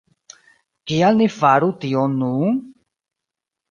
Kial ni faru tion nun?